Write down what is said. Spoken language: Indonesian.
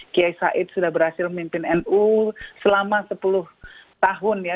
kiai said sudah berhasil memimpin nu selama sepuluh tahun ya